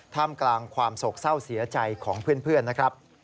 ท่ามกลางความโศกเศร้าเสียใจของเพื่อนนะครับ